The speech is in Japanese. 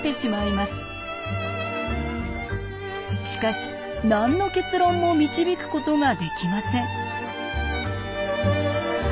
しかし何の結論も導くことができません。